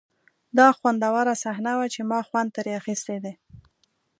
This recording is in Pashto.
دا خوندوره صحنه وه چې ما خوند ترې اخیستی دی